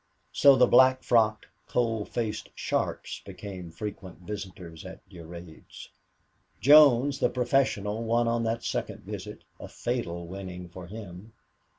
So the black frocked, cold faced sharps became frequent visitors at Durade's. Jones, the professional, won on that second visit a fatal winning for him.